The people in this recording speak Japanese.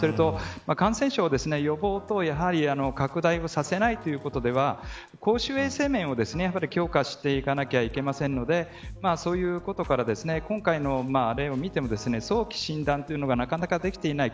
感染症は予防等、拡大をさせないということでは公衆衛生面を強化していかなければいけないのでそういうことから今回の例を見ても早期診断というのができていない。